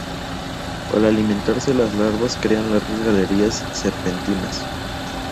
Al alimentarse, las larvas crean largas galerías serpentinas.